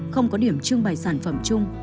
không có điểm trưng bày sản phẩm chung